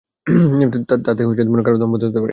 তাতে কারো দম বন্ধ হতে পারে।